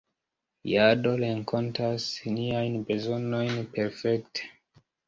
Jado renkontas niajn bezonojn perfekte.